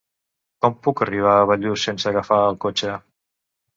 Com puc arribar a Bellús sense agafar el cotxe?